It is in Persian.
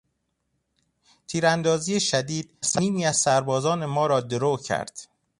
تیراندازی شدید نیمی از سربازان ما را درو کرد.